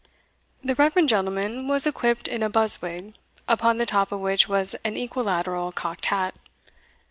The reverend gentleman was equipped in a buzz wig, upon the top of which was an equilateral cocked hat.